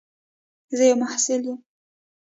زه یو محصل یم.